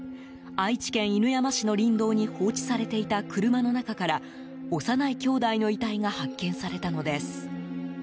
愛知県犬山市の林道に放置されていた車の中から幼い姉弟の遺体が発見されたのです。